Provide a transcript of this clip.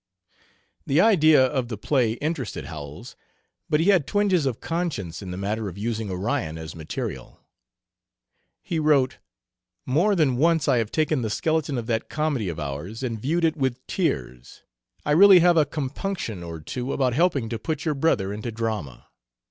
The idea of the play interested Howells, but he had twinges of conscience in the matter of using Orion as material. He wrote: "More than once I have taken the skeleton of that comedy of ours and viewed it with tears..... I really have a compunction or two about helping to put your brother into drama.